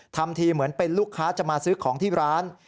ทำทีเหมือนเป็นลูกค้าจะมาซื้อของที่ร้าน